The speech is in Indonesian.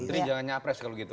menteri jangan nyapres kalau gitu